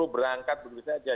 berangkat berusaha saja